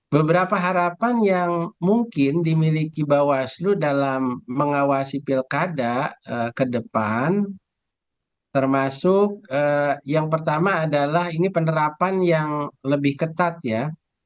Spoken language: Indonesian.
beberapa harapan yang mungkin dimiliki bawaslu dalam mengawasi pilkada ke depan termasuk yang pertama adalah ini penerapan yang lebih ketat ya